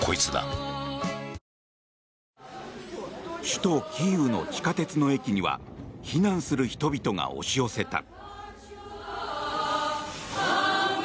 首都キーウの地下鉄の駅には避難する人々が押し寄せた。